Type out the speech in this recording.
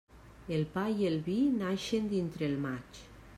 El pa i el vi naixen dintre el maig.